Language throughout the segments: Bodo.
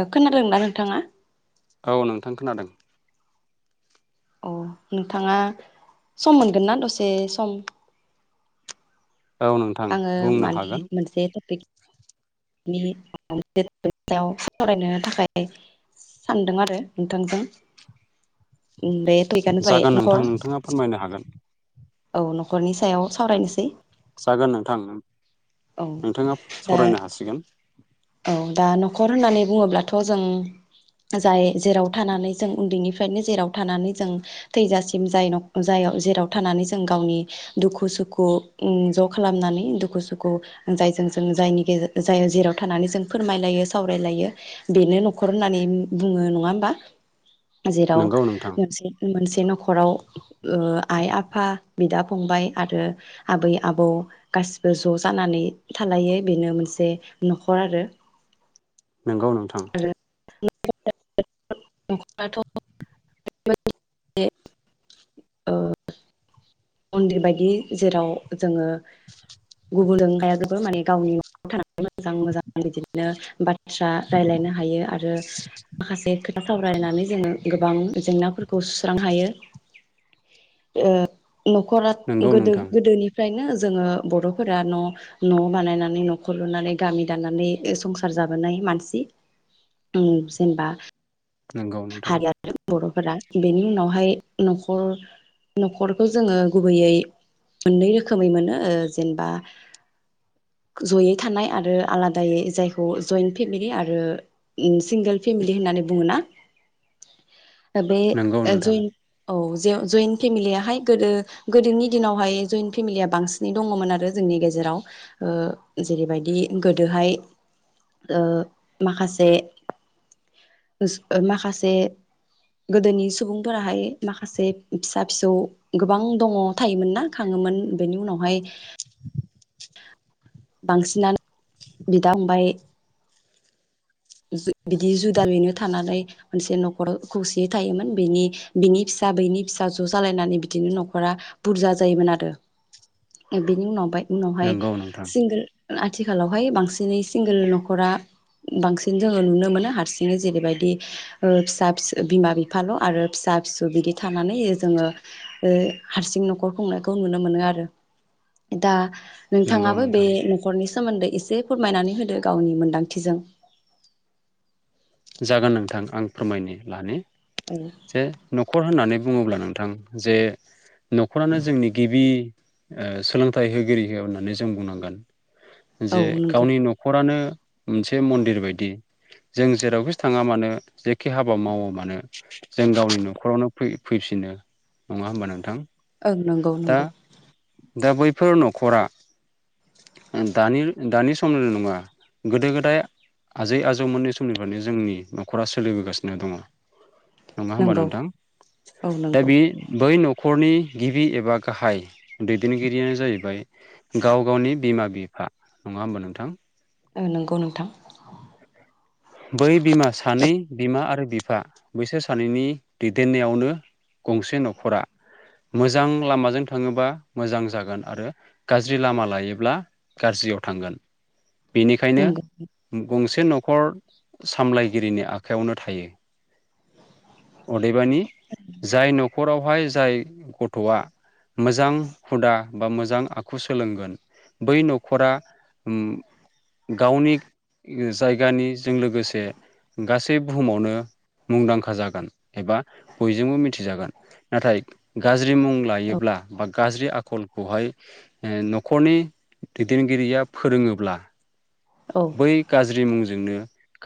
[unintelligible] खोनादोंना नोंथाङा? औ नोंथां खोनादों। अ नोंथाङा सम मोनगोन ना दसे सम औ नोंथां आङो बुंनो हागोन। नि सायाव सावरायनो थाखाय सानदों आरो नोंथांजों जागोन नोंथां नोंथाङा [unintelligible] फोरमायनो हागोन औ न'खरनि सायाव सावरायनोसै जागोन नोंथां औ नोंथाङा दा सावरायनो हासिगोन। औ दा न'खर होननानै बुङोब्लाथ' जों जाय जेराव थानानै जों उन्दैनिफ्रायनो जेराव थानानै जों थैजासिम जाय जाय जेराव थानानै जों गावनि दुखु सुखु उम ज' खालामनानै दुखु सुखु जायजों जों जायनि गेर जाय जेराव थनानै जों फोरमायलायो सावरायलायो बेनो न'खर होननानै बुङो नङा होमबा? जेराव नोंगौ नोंथां मोनसे मोनसे मोनसे न'खराव ओ आइ आफा बिदा फंबाय आरो आबै आबौ गासिबो ज' जानानै थालायो बेनो मोनसे न'खर आरो नोंगौ नोंथां आरो नखराथ' बे मन्दिर बायदि जेराव जोङो गुबुनजों हायाब्लाबो माने गावनि न'आव थानानै मोजां मोजां बिदिनो बा बाथ्रा रायलायनो हायो आरो माखासे खोथा [unintelligible] रायलानानै जोङो गोबां जेंनाफोरखौ सुस्रांनो हायो ओ न'खरा नोंगौ गोदो नोंथां गोदोनिफ्रायनो जोङो बर'फोरा न' न' बानायनानै नखर लुनानै गामि दानानै संसार जाबोनाय मानसि उम जेनेबा नंगौ नोंथां हारि आरो बर'फोरा बेनि उनावहाय नखर न'खरखौ जोङो गुबैयै मोननै रोखोमै मोनो ओ जेनेबा जयै थानाय आरो आलादायै जायखौ जयन्ट फेमिलि आरो सिंगोल फेमिलि होननानै बुङो ना दा बे नोंगौ ओ नोंथां जयेन औ जे जयन्ट फेमिलियहाय गोदो गोदोनि दिनावहाय जयेनट फेमिलिया बांसिनै दङमोन आरो जोंनि गेजेराव ओ जेरैबायदि गोदोहाय ओ माखासे माखासे से गोदोनि सुबुंफोराहाय माखासे फिसा फिसौ गोबां दङ थायोमोन ना खाङोमोन बेनि उनावहाय बांसिनानो बिदा फंबाय [unintelligible] बिदि जुदायैनो थानानै मोनसे न'खराव खौसेयै थायोमोन बिनि बिनि फिसा बैनि फिसा ज' जालायनानै बिदिनो न'खरा बुरजा जायोमोन आरो बिनि उनाव ओमफाय उनावहाय नोंगौ नोंथां सिंगोल ओ आथिखालावहाय बांसिनै सिंगोल न'खरा बांसि न जोङो नुनो मोनो हारसिङै जेरैबायदि ओ फिसा फिस बिमा बिफाल' आरो फिसा फिसौ बिदि थानानै जोङो ओ हारसिं न'खर खुंनायखौ नुनो मोनो आरो दा नोंगौ नोंथाङाबो बे नोंथां न'खरनिस सोमोन्दै एसे फोरमायनानै होदो गावनि मोनदांथिजों जागोन नोंथां आं फोरमायनि लानि औ जे न'खर होननानै बुङोब्ला नोंथां जे न'खरानो जोंनि गिबि ओ सोलोंथाइ होगिरि हो होननानै जों बुंनांगोन औ जे नंगौ गावनि न'खरानो मोनसे मन्दिर बायदि जों जेरावखि थाङा मानो जेखि हाबा मावा मानो जों गावनि न'खरावनो फै फैफिनो नङा होमबा नोंथां ओं नोंगौ दा नोंगौ दा बैफोर न'खरा दानि दानि समल' नङा गोदो गोदाय आजै आजौमोननि समनिफ्रायनो जोंनि न'खरा सोलिबोगासिनो दङ। नङा होमबा नंगौ नोंथां औ दा नंगौ बि बै न' खरनि गिबि एबा गाहाय दैदेनगिरियानो जाहैबाय। गाव गावनि बिमा बि फा नङा होमबा नोंथां। ओ नोंगौ नोंथां। बै बिमा सानै बिमा आरो बिफा बैसोर सानैनि दैदेननायावनो गंसे न'खरा मोजां लामाजों थाङोबा मोजां जागोन आरो गाज्रि लामा लायोब्ला गाज्रियाव थांगोन। बिनिखायनो नंगौ गंसे से न'खर सामलायगिरिनि आखा यावनो थायो। खरावहाय जाय गथ'आ मोजां हुदा बा मोजां आखु सोलोंगोन बै न'खरा उम गावनि जायगानिजों लोगोसे गासै बुहुमावनो मुंदांखा जागोन। एबा बयजोंबो मिथि जागोन नाथाय गा ज्रि मुं औ लायोब्ला बा गाज्रि आखलखौहाय ओ न'खरनि दैदेनगिरिया फोरोङोब्ला औ बै गाज्रि मुंजोंनो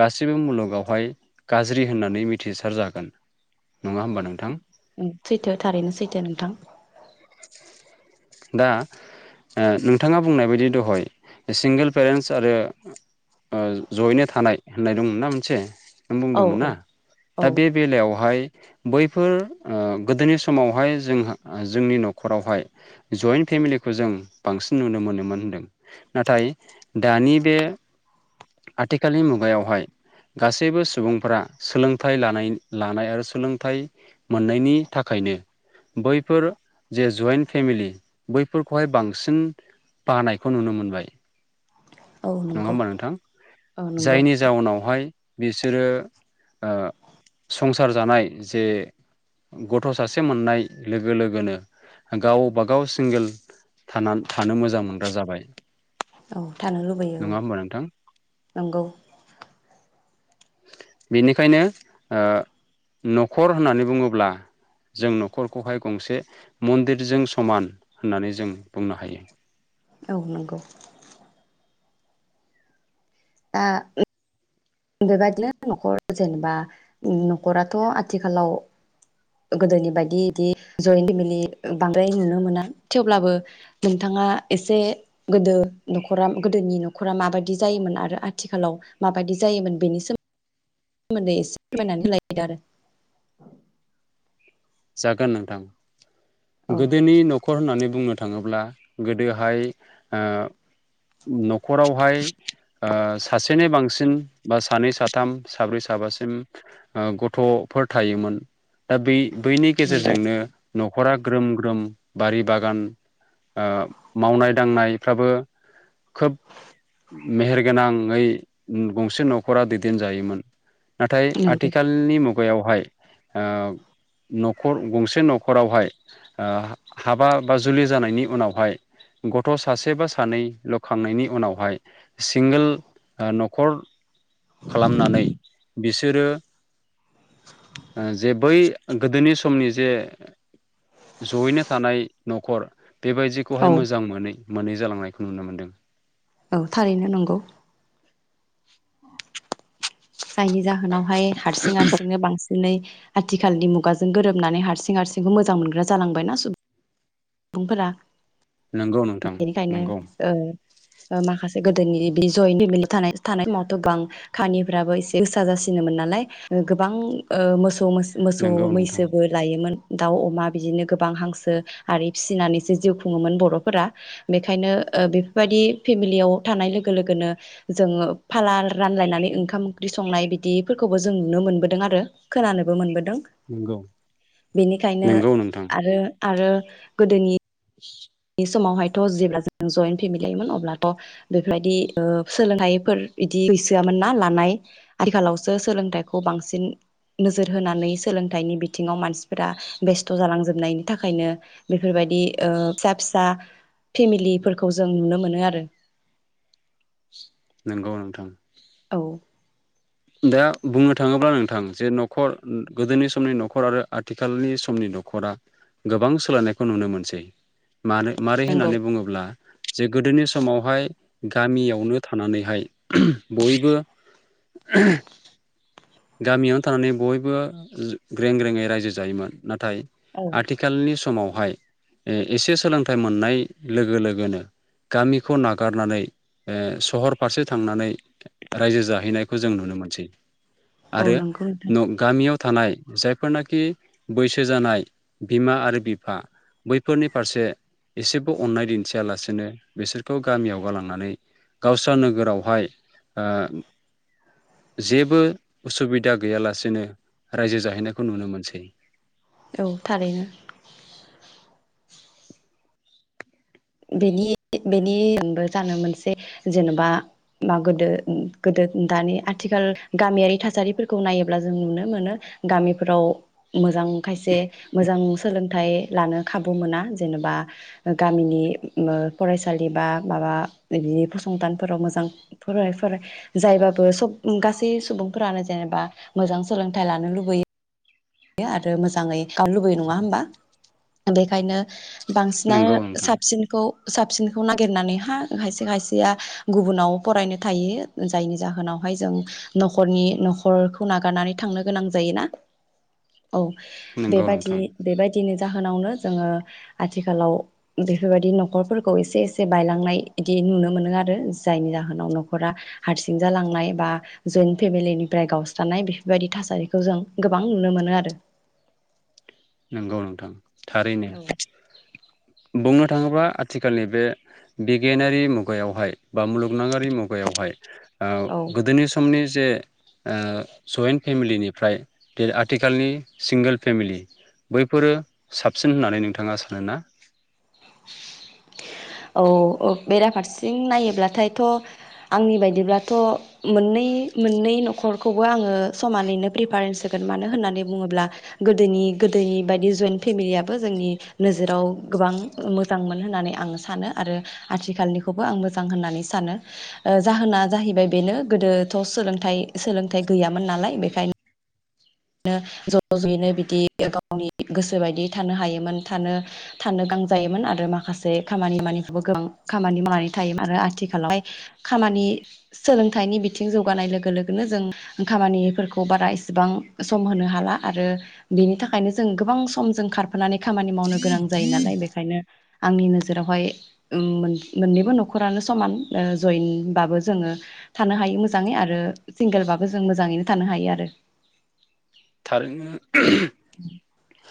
गासिबो मुलुगावहाय गाज्रि होननानै मिथिसार जागोन नङा होमबा नोंथां। उम सैथो थारैनो सैथो नोंथां। दा ओ नोंथाङा बुंनाय बायदि दहाय सिंगोल पेरेन्टस आरो ओ जयैनो थानाय होननाय दंमोन ना मोनसे औ बुंदोंमोन औ ना औ दा बे बेलायावहाय बैफोर ओ गोदोनि समावहाय जोंहा जोंनि न'खर न'खरावहाय जयन्ट फेमिलिखौ जों बांसिन नुनो मोनोमोन होनदों नाथाय दानि बे आथिखालनि मुगायावहाय गासैबो सुबुंफोरा सोलोंथाइ लानाय लानाय आरो सोलोंथाइ मोननायनि थाखायनो बैफोर। जे जयन्ट फेमिलि बैफोरखौहाय बांसिन बानायखौ नुनो मोनबाय। औ नङा नंगौ होमबा नोंथां औ नंगौ जायनि जाउनावहाय बिसोरो संसार ओ जानाय जे गथ' सासे मोननाय लोगो लोगोनो गावबागाव सिंगोल थानानै थानो मोजां मोनग्रा जाबाय। औ थानो लुबैयो औ नङा होमबा नोंथां नंगौ। बेनिखायनो ओ न'खर होननानै बुङोब्ला जों न'खरखौहाय गंसे मन्दिरजों समान होननानै जों बुंनो हायो। औ नंगौ आ बेबायदिनो न'खर जेनेबा न'खराथ' आथिखालाव गोदोनि बायदि बिदि जयन्ट फेमिलि बांद्राय नुनो मोना थेवब्लाबो नोंथाङा एसे गोदो नखरा गोदोनि न'खरा माबायदि जायोमोन आरो आथिखालाव माबायदि जायोमोन बेनि सोमोन्दै सोमोन्दै एसे फोरमायनानै होलायदों आरो जागोन नोंथां। औ गोदोनि न'खर होननानै बुंनो थाङोब्ला गोदोहाय न'खरावहाय ओ सासेनि बांसिन बा सानै साथाम साब्रै साबासिम गथ'फोर थायोमोन दा बे बैनि नंगौ गेजेरजोंनो न'खरा ग्रोम ग्रोम बारि बागान मावनाय दांनायफ्राबो खोब मेहेरगोनाङै गंसे न'खरा दैदेनजायोमोन। नाथाय नंगौ आथिखालनि मुगायावहाय आ न'खर गंसे न'खरावहाय ओ हाबा बा जुलि जानायनि उनावहाय गथ' सासे बा सानैल'खांनायनि उनावहाय सिंगोल न'खर खालामनानै बिसोरो जे बै गोदोनि समनि जे जयैनो थानाय न'खर औ बेबायदिखौहाय मोजां मोनै मोननै जालांनायखौ नुनो मोनदों औ थारैनो नंगौ जायनि जा जाहोनावहाय हारसिं हारसिंनो बांसिनै आथिखालनि मुगाजों गोरोबनानै हारसिं हारसिंखौ मोजां मोनग्रा जालांबायना सुबुंफोरा नंगौ नोंथां बेनिखायनो नंगौ ओ माखासे गोदोनि बि जयन् फेमिलि थानाय समावथ' गोबां खानिफ्राबो एसे गोसा जासिनोमोन नालाय गोबां मोसौ मोसौ मोसौ नंगौ नोंथां मैसोबो लायोमोन। दाउ अमा बिदिनो गोबां हांसो आरि फिसिनानैसो जिउ खुङोमोन बर'फोरा बेखायनो ओ बेफोरबायदि फेमिलियाव थानाय लोगो लोगोनो जोङो फाला रानलायनानै ओंखाम ओंख्रि संनाय बिदिफोरखौबो जों नुनो मोनबोदों आरो खोनानोबो मोनबोदों। नंगौ बेनिखायनो नंगौ नोंथां आरो गोदोनि [inaudible] बे समावहायथ' जेब्ला जों जयन् फेमिलिमोन अब्लाथ' बेफोरबायदि ओ सोलोंथाइफोर बिदि गैसोआमोन ना लानाय आथिखालावसो सोलोंथाइखौ बांसिन नोजोर होनानै सोलोंथाइनि बिथिङाव मानसिफोरा बेस्थ' जालांजोबनायनि थाखायनो बेफोरबायदि फिसा फिसा फेमिलिफोरखौ जों नुनो मोनो आरो। नोंगौ नोंथां औ दा बुंनो थाङोब्ला नोंथां जे न'खर गोदोनि समनि न'खर आरो आथिखालनि समनि न'खरा गोबां सोलायनायखौ नुनो मोनसै। मानो मारै नंगौ होननानै बुङोब्ला जे गोदोनि समावहाय गामियावनो थानानैहाय बयबो [inaudible] गामियावनो थानानै बयबो ग्रें ग्रेेंङै रायजो जायोमोन नाथाय नाथाय औ आथिखालनि समाव बेवहाय एसे सोलोंथाइ मोननाय लोगो लोगोनो गामिखौ नागारनानै ओ सहर फारसे थांनानै रायजो जाहैनायखौ जों नुनो मोनसै औ आरो नंगौ नोंथां गामियाव थानाय जायफोरनाखि बैसो जानाय बिमा आरो बिफा बैफोरनि फारसे एसेबो अननाय दिन्थियालासेनो बिसोरखौ गामियाव गालांनानै गावस्रा नोगोरावहाय ओ जेबो उसुबिदा गैयालासेनो रायजो जाहैनायखौ नुनो मोनसै। औ थारैनो बेनि बेनिबो जानो मोनसे जेन'बा मा गोदो गोदो दानि आथिखाल गामियारि थासारिफोरखौ नायोब्ला जों नुनो मोनो गामिफोराव मोजां खायसे मोजां सोलों थाय लानो खाबु मोना जेनेबा गामिनि ओ फरायसालि बा माबा बिदि फसंथानफोराव मोजां फराय फराय जायबाबो सब गासै सुबुंफोरानो जेनेबा मोजां सोलोंथाइ लानो लुबैयो। आरो मोजाङै [unintelligible] लुबैयो नङा होमबा बेखायनो बांसिनानो नंगौ नोंथां साबसिनखौ साबसिनखौ नागिरनानैहा खायसे खायसेया गुबुनाव फरायनो थायो जायनि जाहोनावहाय जों नखरनि न'खरखौ नागारनानै थांनो गोनां जायोना। औ नंगौ बेबायाददि नोंथां बेबायदिनो नि जाहोनावनो जोङो आथिखालाव बेफोरबायदि न'खरफोरखौ एसे एसे बायलांनाय इदि नुनो मोनो आरो जायनि जाहोनाव न'खरा हारसिं जालांनाय बा जयेन फेमिलिनिफ्राय गावस्रानाय बेफोरबायदि थासारिखौ जों गोबां नुनो मोनो ‌। आरो नोंगौ नोंथां थारैनो बिथाङोबा आथिखालनि बे बिगियानारि मुगायावहाय बा मुलुगनङारि मुगायावहाय ओ औ गोदोनि समनि जे ओ फेमिलिनिफ्राय आथिखालनि सिंगोल फेमिलि बैफोरो साबसिन होननानै नोंथाङा सानोना? औ औ बेराफारसें नायोब्लाथायथ' आंनि बायदिब्लाथ' मोननै मोननै न' खरखौबो आङो समानैनो प्रिफारेन्स होगोन मानो होननानै बुङोब्ला गोदोनि गोदोनि बायदि जयेन फेमिलियाबो जोंनि नोजोराव गोबां मोजांमोन होननानै आं सानो आरो आथिखालनिखौबो आं मोजां होननानै सानो ओ जाहोना जाहैबाय बेनो गोदोथ' सोलोंथाइ सोलोंथाइ गैयामोन नालाय बेखायनो बि ज' ज'यैनो बिदि गावनि गोसो बायदि थानो हायोमोन थानो थानो गां जायोमोन आरो माखासे खामानि मावानिफोर गोबां खामानि मावनानै थायोमोन आरो आथिखालावहाय खामानि सोलोंथाइनि बिथिं जौगानाय लोगो लोगोनो जों खामानिफोरखौ बारा इसेबां सम होनो हाला आरो बिनि थाखायनो जों गोबां सम जों खारफानानै खामानि मावनो गोनां जायो नालाय बेखायनो आंनि नोजोरावहाय ओम मोन मोननैबो न'खरानो समान ओ जयेनबाबो जोङो थानो हायो मोजाङै आरो सिंगोलबाबो जों मोजाङैनो थानो हायो आरो थारैनो [inaudible]